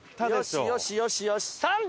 よしよしよしよし！